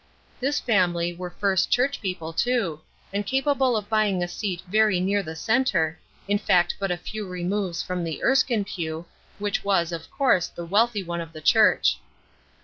This family were First Church people, too, and capable of buying a seat very near the centre, in fact but a few removes from the Erskine pew, which was, of course, the wealthy one of the church.